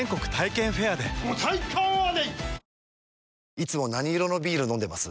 いつも何色のビール飲んでます？